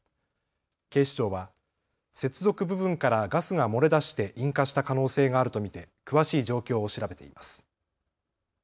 警視庁は接続部分からガスが漏れ出して引火した可能性があると見て詳しい状況を調べています。